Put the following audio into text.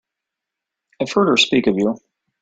I've heard her speak of you.